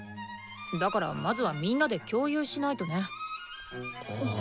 だからまずはみんなで共有しないとね。